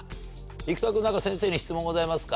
生田君何か先生に質問ございますか？